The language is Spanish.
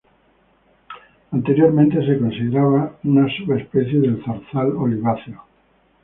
Anteriormente se consideraba una subespecie del zorzal oliváceo.